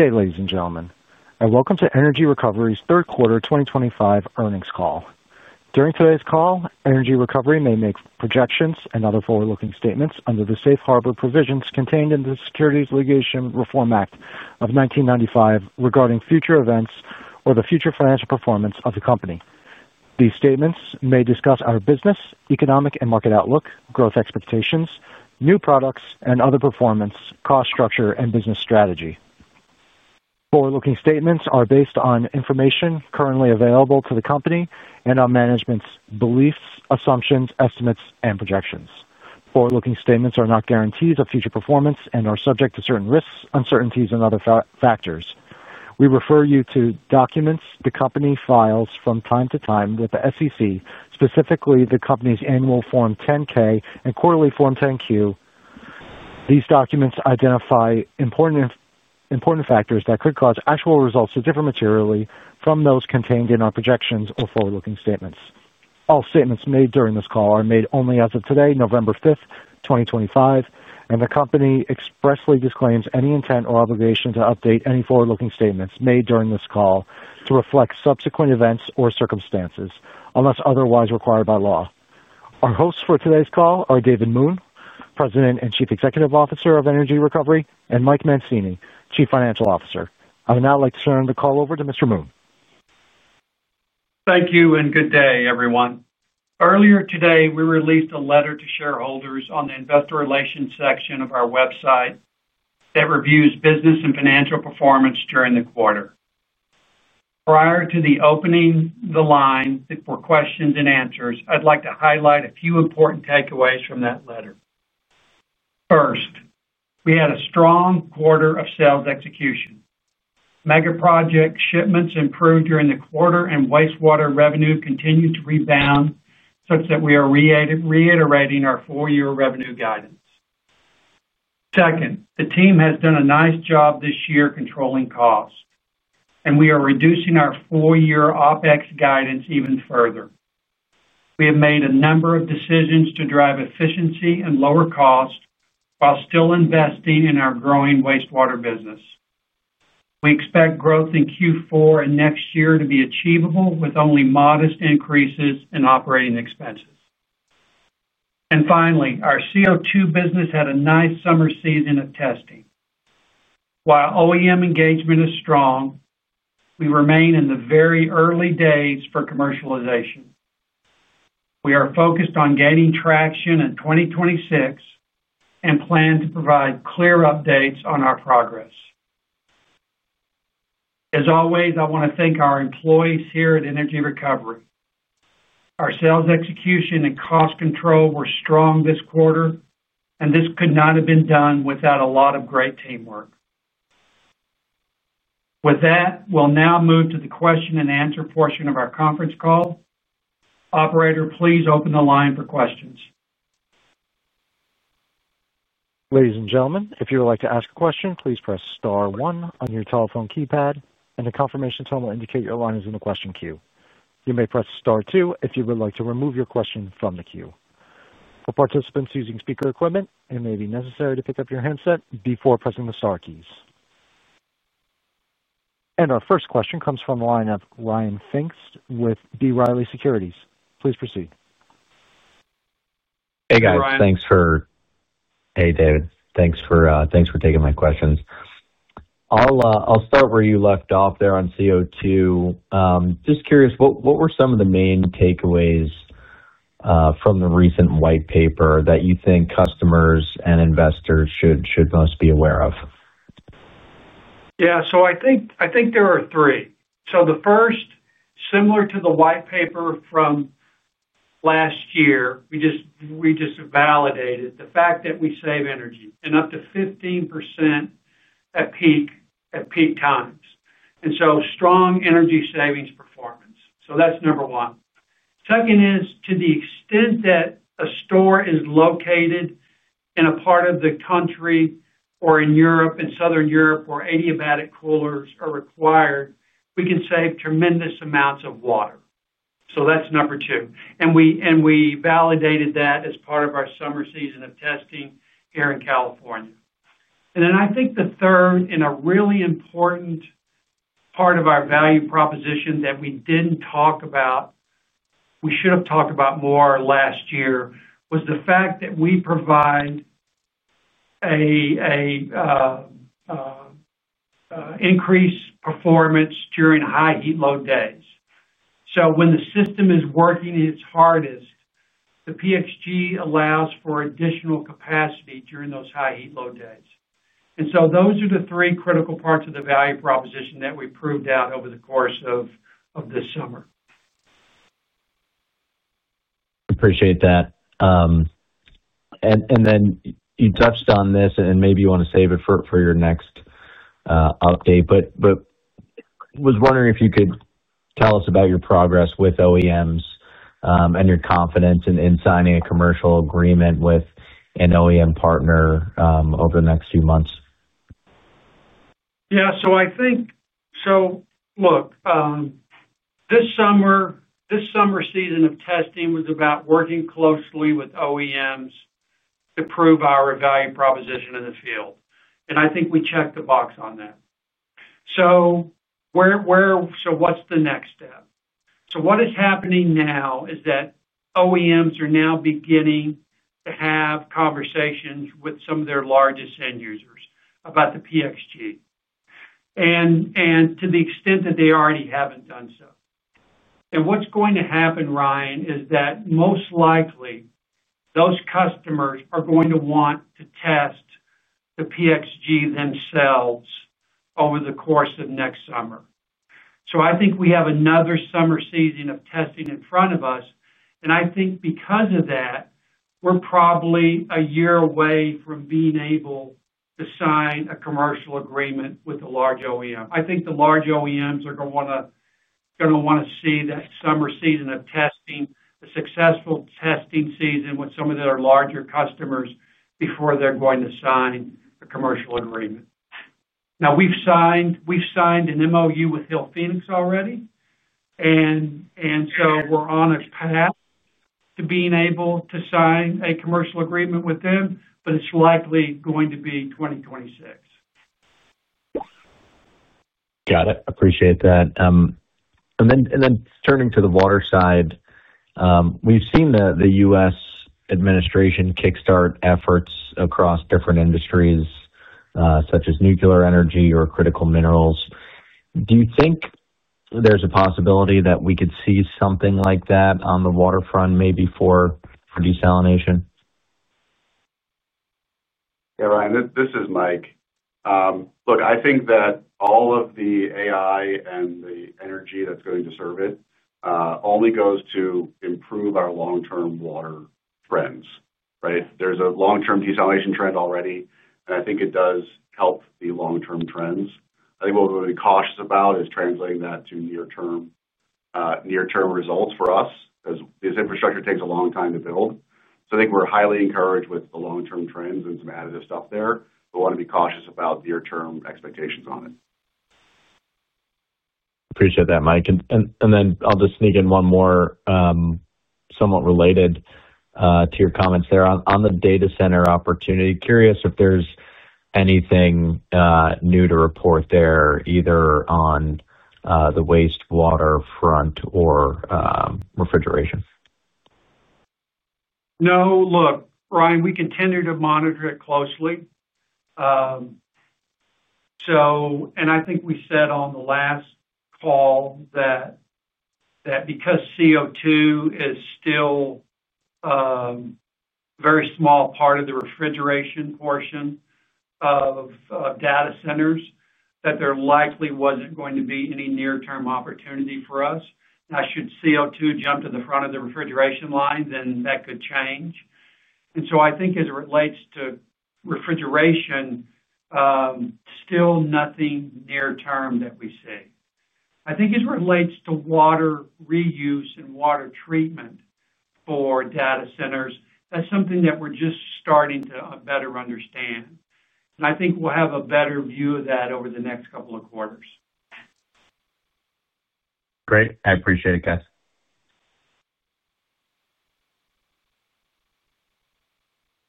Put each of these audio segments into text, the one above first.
Good day, ladies and gentlemen. Welcome to Energy Recovery's third quarter 2025 earnings call. During today's call, Energy Recovery may make projections and other forward-looking statements under the safe harbor provisions contained in the Securities Litigation Reform Act of 1995 regarding future events or the future financial performance of the company. These statements may discuss our business, economic and market outlook, growth expectations, new products, and other performance, cost structure, and business strategy. Forward-looking statements are based on information currently available to the company and on management's beliefs, assumptions, estimates, and projections. Forward-looking statements are not guarantees of future performance and are subject to certain risks, uncertainties, and other factors. We refer you to documents the company files from time to time with the SEC, specifically the company's annual Form 10-K and quarterly Form 10-Q. These documents identify important. Factors that could cause actual results to differ materially from those contained in our projections or forward-looking statements. All statements made during this call are made only as of today, November 5th, 2025, and the company expressly disclaims any intent or obligation to update any forward-looking statements made during this call to reflect subsequent events or circumstances unless otherwise required by law. Our hosts for today's call are David Moon, President and Chief Executive Officer of Energy Recovery, and Mike Mancini, Chief Financial Officer. I would now like to turn the call over to Mr. Moon. Thank you and good day, everyone. Earlier today, we released a letter to shareholders on the investor relations section of our website. That reviews business and financial performance during the quarter. Prior to opening the line for questions and answers, I'd like to highlight a few important takeaways from that letter. First, we had a strong quarter of sales execution. Mega project shipments improved during the quarter and wastewater revenue continued to rebound such that we are reiterating our four-year revenue guidance. Second, the team has done a nice job this year controlling costs, and we are reducing our four-year OpEx guidance even further. We have made a number of decisions to drive efficiency and lower costs while still investing in our growing wastewater business. We expect growth in Q4 and next year to be achievable with only modest increases in operating expenses. Finally, our CO2 business had a nice summer season of testing. While OEM engagement is strong, we remain in the very early days for commercialization. We are focused on gaining traction in 2026 and plan to provide clear updates on our progress. As always, I want to thank our employees here at Energy Recovery. Our sales execution and cost control were strong this quarter, and this could not have been done without a lot of great teamwork. With that, we'll now move to the question and answer portion of our conference call. Operator, please open the line for questions. Ladies and gentlemen, if you would like to ask a question, please press star one on your telephone keypad, and a confirmation tone will indicate your line is in the question queue. You may press star two if you would like to remove your question from the queue. For participants using speaker equipment, it may be necessary to pick up your handset before pressing the star keys. Our first question comes from the line of Ryan Pfingst with B. Riley Securities. Please proceed. Hey, guys. Hey, Ryan. Thanks for. Hey, David. Thanks for taking my questions. I'll start where you left off there on CO2. Just curious, what were some of the main takeaways from the recent white paper that you think customers and investors should most be aware of? Yeah, so I think there are three. The first, similar to the white paper from last year, we just validated the fact that we save energy and up to 15% at peak times. Strong energy savings performance, so that's number one. Second is to the extent that a store is located in a part of the country or in Europe and Southern Europe where adiabatic coolers are required, we can save tremendous amounts of water. That's number two, and we validated that as part of our summer season of testing here in California. Then I think the third, and a really important part of our value proposition that we did not talk about, we should have talked about more last year, was the fact that we provide an increased performance during high heat load days. When the system is working at its hardest, the PXG allows for additional capacity during those high heat load days. Those are the three critical parts of the value proposition that we proved out over the course of this summer. Appreciate that. You touched on this, and maybe you want to save it for your next update. Was wondering if you could tell us about your progress with OEMs and your confidence in signing a commercial agreement with an OEM partner over the next few months. Yeah, so I think. So look. This summer season of testing was about working closely with OEMs to prove our value proposition in the field. I think we checked the box on that. What's the next step? What is happening now is that OEMs are now beginning to have conversations with some of their largest end users about the PXG, to the extent that they already haven't done so. What's going to happen, Ryan, is that most likely those customers are going to want to test the PXG themselves over the course of next summer. I think we have another summer season of testing in front of us. I think because of that, we're probably a year away from being able to sign a commercial agreement with a large OEM. I think the large OEMs are going to want to. See that summer season of testing, a successful testing season with some of their larger customers before they're going to sign a commercial agreement. Now, we've signed an MOU with Hillphoenix already. We are on a path to being able to sign a commercial agreement with them, but it's likely going to be 2026. Got it. Appreciate that. Turning to the water side, we've seen the U.S. administration kickstart efforts across different industries, such as nuclear energy or critical minerals. Do you think there's a possibility that we could see something like that on the water front, maybe for desalination? Yeah, Ryan, this is Mike. Look, I think that all of the AI and the energy that's going to serve it only goes to improve our long-term water trends, right? There's a long-term desalination trend already, and I think it does help the long-term trends. I think what we're going to be cautious about is translating that to near-term results for us because this infrastructure takes a long time to build. I think we're highly encouraged with the long-term trends and some additive stuff there. We want to be cautious about near-term expectations on it. Appreciate that, Mike. I'll just sneak in one more. Somewhat related to your comments there on the data center opportunity. Curious if there's anything new to report there, either on the wastewater front or refrigeration. No, look, Ryan, we continue to monitor it closely. I think we said on the last call that because CO2 is still a very small part of the refrigeration portion of data centers, there likely was not going to be any near-term opportunity for us. Now, should CO2 jump to the front of the refrigeration lines, that could change. I think as it relates to refrigeration, still nothing near-term that we see. I think as it relates to water reuse and water treatment for data centers, that is something that we are just starting to better understand. I think we will have a better view of that over the next couple of quarters. Great. I appreciate it, guys.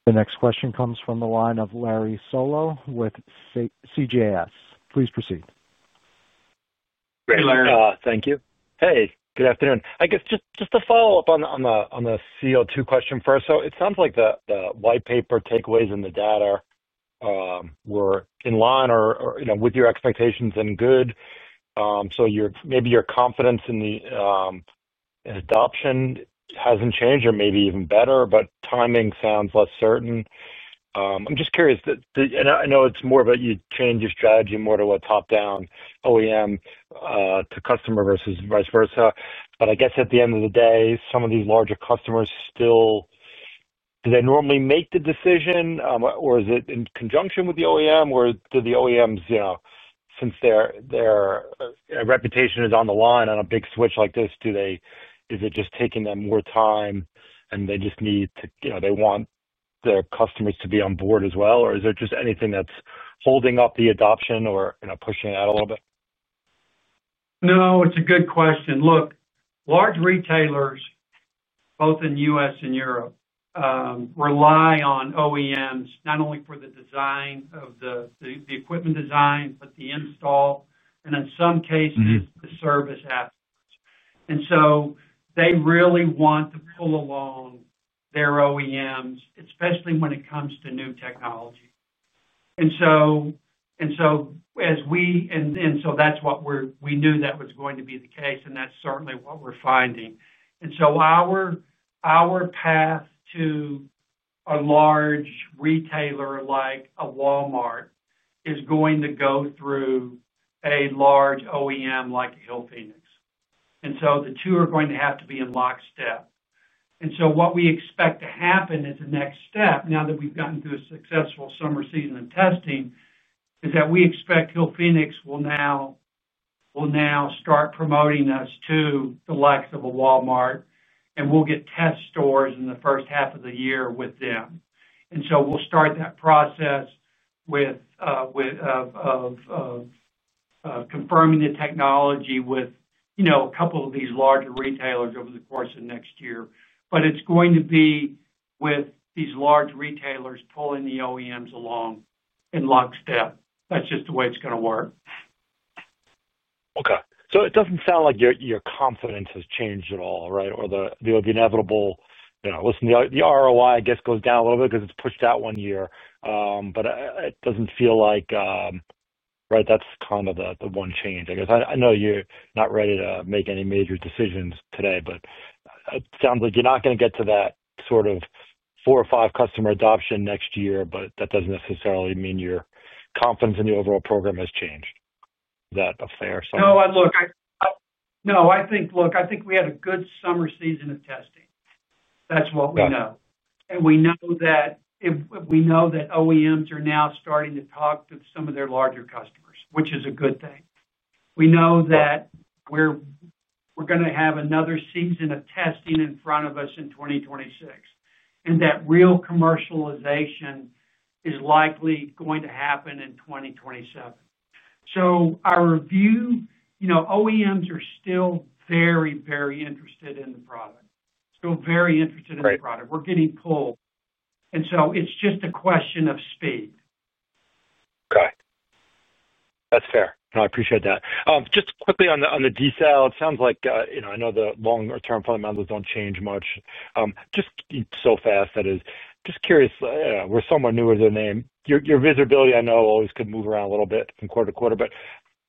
The next question comes from the line of Larry Solo with CJS. Please proceed. Hey, Larry. Thank you. Hey, good afternoon. I guess just to follow up on the CO2 question first. It sounds like the white paper takeaways and the data were in line or with your expectations and good. Maybe your confidence in the adoption hasn't changed or maybe even better, but timing sounds less certain. I'm just curious, and I know it's more about you changed your strategy more to a top-down OEM to customer versus vice versa. I guess at the end of the day, some of these larger customers still, do they normally make the decision, or is it in conjunction with the OEM, or do the OEMs. Since their reputation is on the line on a big switch like this, is it just taking them more time and they just need to, they want their customers to be on board as well, or is there just anything that's holding up the adoption or pushing it out a little bit? No, it's a good question. Look, large retailers, both in the U.S. and Europe, rely on OEMs not only for the design of the equipment design, but the install, and in some cases, the service aspects. They really want to pull along their OEMs, especially when it comes to new technology. That's what we knew was going to be the case, and that's certainly what we're finding. Our path to a large retailer like a Walmart is going to go through a large OEM like Hillphoenix. The two are going to have to be in lockstep. What we expect to happen as a next step, now that we've gotten through a successful summer season of testing, is that we expect Hillphoenix will now. Start promoting us to the likes of a Walmart, and we'll get test stores in the first half of the year with them. We'll start that process, confirming the technology with a couple of these larger retailers over the course of next year. It is going to be with these large retailers pulling the OEMs along in lockstep. That's just the way it's going to work. Okay. So it doesn't sound like your confidence has changed at all, right? Or the inevitable. Listen, the ROI, I guess, goes down a little bit because it's pushed out one year. It doesn't feel like, right, that's kind of the one change, I guess. I know you're not ready to make any major decisions today, but it sounds like you're not going to get to that sort of four or five customer adoption next year, but that doesn't necessarily mean your confidence in the overall program has changed. Is that a fair summary? No, look. No, I think, look, I think we had a good summer season of testing. That's what we know. And we know that OEMs are now starting to talk to some of their larger customers, which is a good thing. We know that we're going to have another season of testing in front of us in 2026, and that real commercialization is likely going to happen in 2027. Our review is that OEMs are still very, very interested in the product. Still very interested in the product. We're getting pulled, and so it's just a question of speed. Okay. That's fair. No, I appreciate that. Just quickly on the detail, it sounds like I know the longer-term fundamentals do not change much. Just so fast that is just curious, we're somewhat newer than them. Your visibility, I know, always could move around a little bit from quarter to quarter.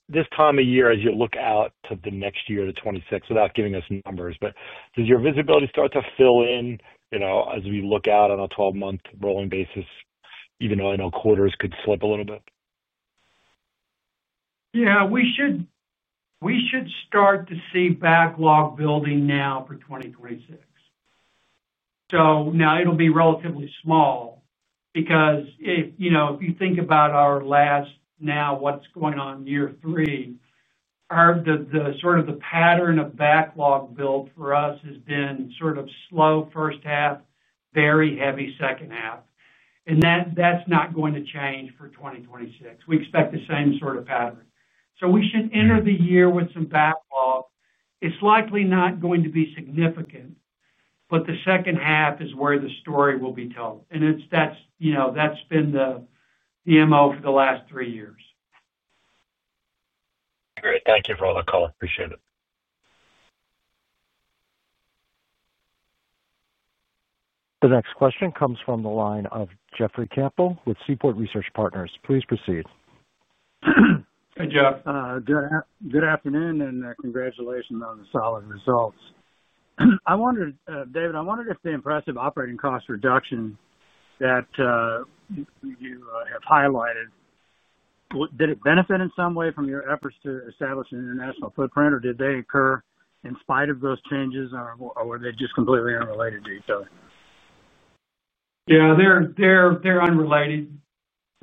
This time of year, as you look out to the next year, 2026, without giving us numbers, does your visibility start to fill in as we look out on a 12-month rolling basis, even though I know quarters could slip a little bit? Yeah, we should start to see backlog building now for 2026. Now, it'll be relatively small. Because if you think about our last, now what's going on in year three, sort of the pattern of backlog build for us has been sort of slow first half, very heavy second half. That is not going to change for 2026. We expect the same sort of pattern. We should enter the year with some backlog. It is likely not going to be significant, but the second half is where the story will be told. That has been the MO for the last three years. Great. Thank you for the call. Appreciate it. The next question comes from the line of Jeffrey Campbell with Seaport Research Partners. Please proceed. Hey, Jeff. Good afternoon and congratulations on the solid results. David, I wondered if the impressive operating cost reduction that you have highlighted, did it benefit in some way from your efforts to establish an international footprint, or did they occur in spite of those changes, or were they just completely unrelated to each other? Yeah, they're unrelated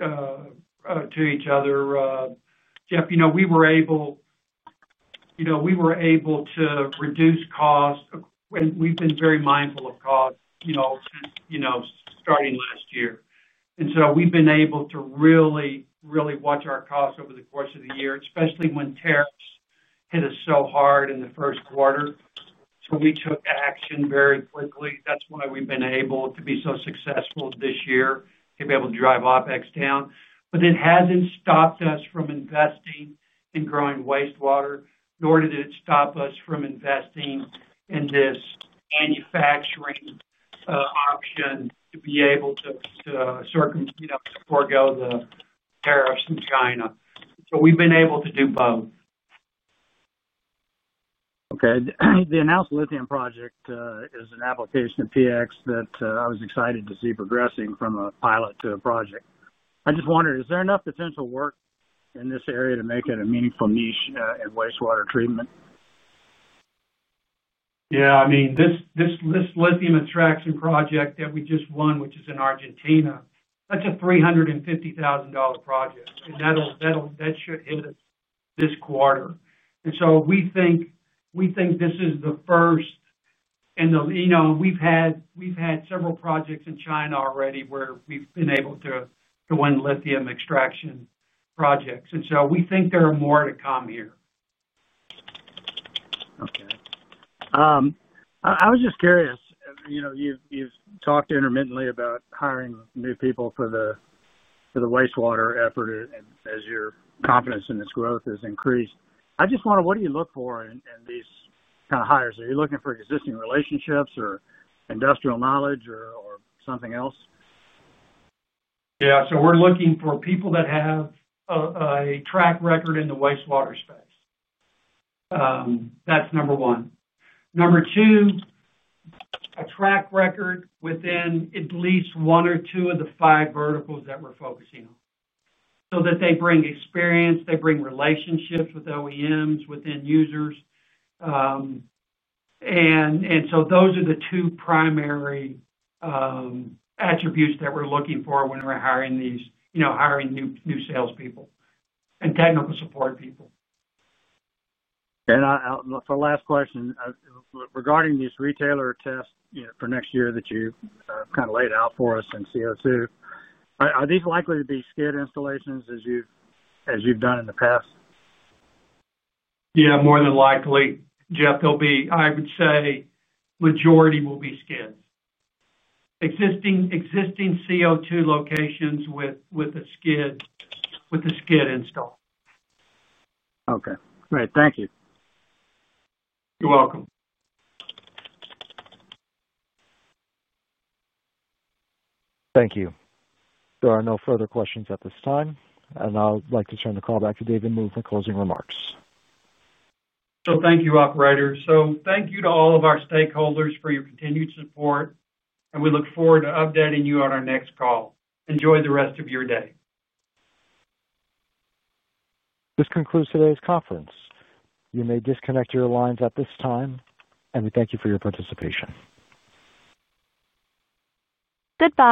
to each other. Jeff, we were able to reduce cost, and we've been very mindful of cost since starting last year. We've been able to really, really watch our costs over the course of the year, especially when tariffs hit us so hard in the first quarter. We took action very quickly. That is why we've been able to be so successful this year, to be able to drive OpEx down. It has not stopped us from investing in growing wastewater, nor did it stop us from investing in this manufacturing option to be able to forgo the tariffs in China. We've been able to do both. Okay. The announced lithium project is an application of PX that I was excited to see progressing from a pilot to a project. I just wondered, is there enough potential work in this area to make it a meaningful niche in wastewater treatment? Yeah, I mean, this lithium extraction project that we just won, which is in Argentina, that's a $350,000 project. That should hit us this quarter. We think this is the first. We've had several projects in China already where we've been able to win lithium extraction projects. We think there are more to come here. Okay. I was just curious. You've talked intermittently about hiring new people for the wastewater effort as your confidence in this growth has increased. I just want to know, what do you look for in these kind of hires? Are you looking for existing relationships or industrial knowledge or something else? Yeah, so we're looking for people that have a track record in the wastewater space. That's number one. Number two, a track record within at least one or two of the five verticals that we're focusing on, so that they bring experience, they bring relationships with OEMs, with end users. Those are the two primary attributes that we're looking for when we're hiring new salespeople and technical support people. For the last question, regarding this retailer test for next year that you kind of laid out for us in CO2, are these likely to be skid installations as you've done in the past? Yeah, more than likely, Jeff. I would say the majority will be skids. Existing CO2 locations with a skid install. Okay. Great. Thank you. You're welcome. Thank you. There are no further questions at this time. I would like to turn the call back to David Moon for closing remarks. Thank you, operators. Thank you to all of our stakeholders for your continued support. We look forward to updating you on our next call. Enjoy the rest of your day. This concludes today's conference. You may disconnect your lines at this time, and we thank you for your participation. Goodbye.